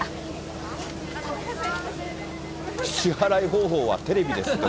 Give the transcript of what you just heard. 支払い方法はテレビですって。